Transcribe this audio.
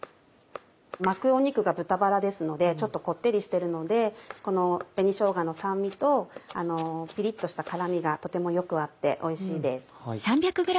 巻く肉が豚バラですのでちょっとこってりしてるのでこの紅しょうがの酸味とピリっとした辛みがとてもよく合っておいしいです。